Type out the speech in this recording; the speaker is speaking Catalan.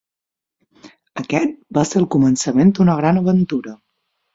Aquest va ser el començament d'una gran aventura.